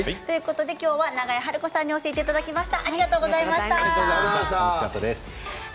今日は永江晴子さんに教えていただきました。